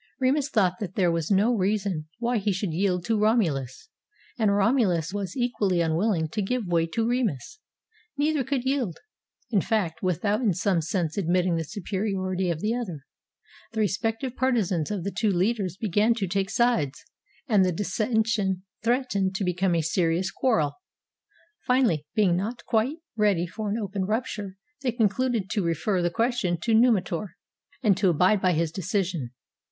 Remus thought that there was no reason why he should yield to Romulus, and Romulus was equally unwilling to give way to Remus. Neither could yield, in fact, without in some sense admitting the su periority of the other. The respective partisans of the two leaders began to take sides, and the dissension threatened to become a serious quarrel. Finally, being not yet quite ready for an open rupture, they concluded to refer the question to Numitor, and to abide by his decision.